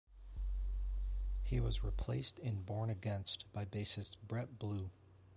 He was replaced in Born Against by bassist Bret Blue.